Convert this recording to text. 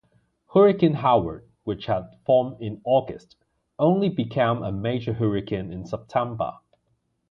Hurricane Howard, which had formed in August, only became a major hurricane in September.